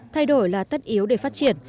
thay đổi là tất yếu để phát triển